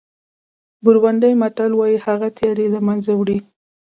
بورونډي متل وایي مینه تیارې له منځه وړي.